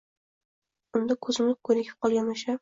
unda ko‘zimiz ko‘nikib qolgan o‘sha